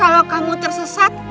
kalau kamu tersesat